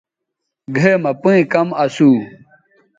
گھئے مہ پئیں کم اسُو۔